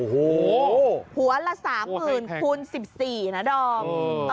หัวละ๓๐๐๐๐คูณ๑๔นะดอม